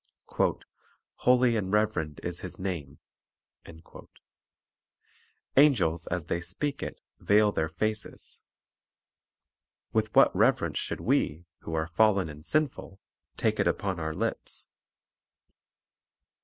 "Holy and reverend is His name." 5 Angels, as they speak it, veil their faces. With what reverence should we, who are fallen and sinful, take it upon our lips! 1E> i : 5.